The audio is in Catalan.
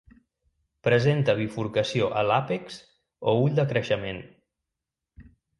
Presenta bifurcació a l'àpex o ull de creixement.